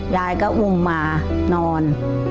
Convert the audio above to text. ยายก็อุ้มมานอน